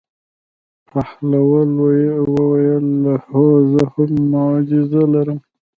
بهلول وویل: هو زه هم معجزه لرم.